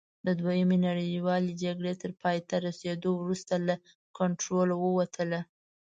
د دویمې نړیوالې جګړې تر پایته رسېدو وروسته له کنټروله ووتله.